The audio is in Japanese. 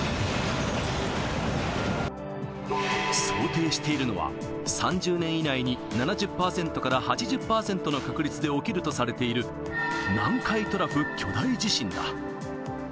想定しているのは、３０年以内に７０％から８０％の確率で起きるとされている、南海トラフ巨大地震だ。